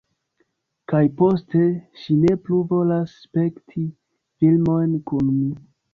Kaj poste, ŝi ne plu volas spekti filmojn kun mi.